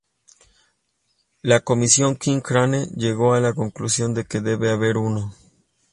La Comisión King-Crane llegó a la conclusión de que debe haber uno.